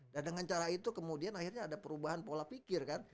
dan dengan cara itu kemudian akhirnya ada perubahan pola pikir kan